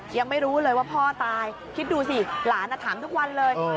ยังไม่รู้เลยว่าพ่อตายคิดดูสิหลานถามทุกวันเลย